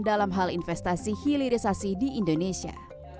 dalam hal investasi hilirisasi di indonesia